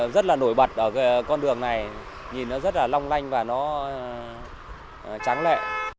rất là nổi bật ở con đường này nhìn nó rất là long lanh và nó trắng lẹ